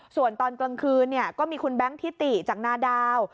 ส่วนตอนกลางคืนก็มีคุณแบงค์ทิติจากนาดาว